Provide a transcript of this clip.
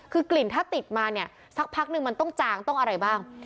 คือกลิ่นถ้าติดมาเนี่ยสักพักนึงมันต้องจางต้องอะไรบ้าง